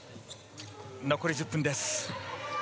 残り１０分です。